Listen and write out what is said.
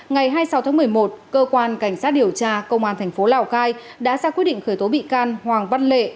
ngày hai mươi sáu tháng một mươi một cơ quan cảnh sát điều tra công an thành phố lào cai đã ra quyết định khởi tố bị can hoàng văn lệ